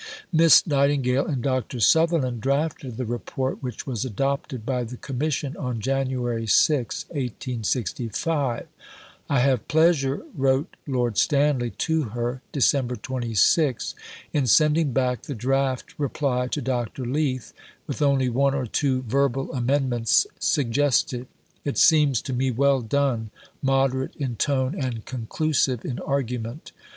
Miss Nightingale and Dr. Sutherland drafted the Report, which was adopted by the Commission on January 6, 1865. "I have pleasure," wrote Lord Stanley to her (Dec. 26), "in sending back the draft reply to Dr. Leith with only one or two verbal amendments suggested. It seems to me well done, moderate in tone, and conclusive in argument."